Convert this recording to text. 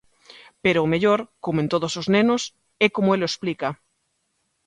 Pero o mellor, como en todos os nenos, é como el o explica.